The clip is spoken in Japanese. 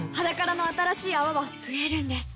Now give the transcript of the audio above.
「ｈａｄａｋａｒａ」の新しい泡は増えるんです